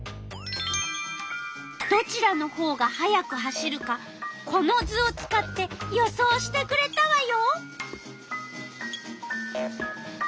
どちらのほうが速く走るかこの図を使って予想してくれたわよ。